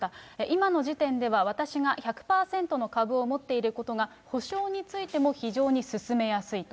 今の時点では、私が１００％の株を持っていることが補償についても非常に進めやすいと。